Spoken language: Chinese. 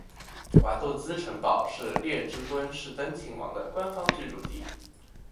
瓦杜茨城堡是列支敦士登亲王的官方居住地。